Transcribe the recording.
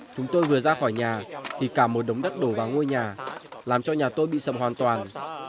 chúng tôi vừa ra khỏi nhà thì cả một đống đất đổ vào ngôi nhà làm cho nhà tôi bị sập hoàn toàn